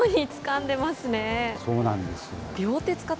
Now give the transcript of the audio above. そうなんです。